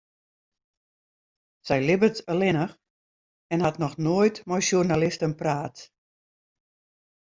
Sy libbet allinnich en hat noch noait mei sjoernalisten praat.